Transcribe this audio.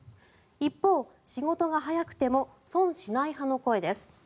一方仕事が早くても損しない派の声です。